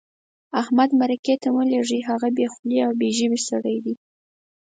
احمد مرکې ته مه لېږئ؛ هغه بې خولې او بې ژبې سړی دی.